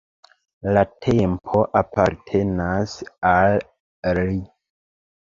La tempo apartenas al li.